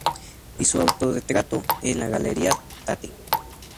Y su autorretrato en la Galería Tate.